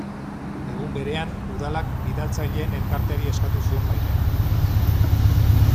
Egun berean, Udalak bidaltzaileen elkarteari eskatu zion baimena.